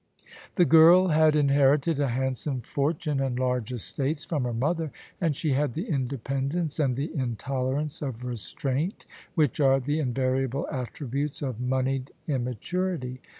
The girl had inherited a handsome fortune and large estates from her mother: and she had the independence and the in tolerance of restraint, which are the invariable attributes of moneyed immaturity.